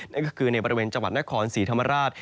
นั่นก็คือในบริเวณจังหวัดนครศรีธรรมราช